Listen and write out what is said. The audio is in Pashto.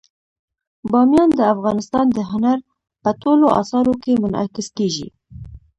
بامیان د افغانستان د هنر په ټولو اثارو کې منعکس کېږي.